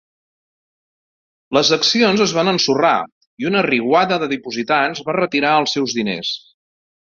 Les accions es van ensorrar i una riuada de dipositants va retirar els seus diners.